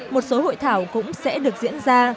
một số hội thảo cũng sẽ được diễn ra